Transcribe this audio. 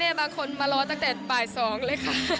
แม่บางคนมารอตั้งแต่ปลายสองเลยค่ะ